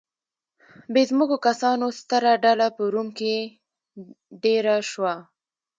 بې ځمکو کسانو ستره ډله په روم کې دېره شوه